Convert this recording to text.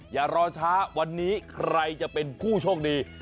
อย่ารอช้าวันนี้ใครจะเป็นผู้โชคดี